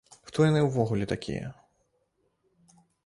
Хто яны ўвогуле такія?